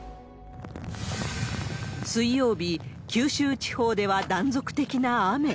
水曜日、九州地方では断続的な雨。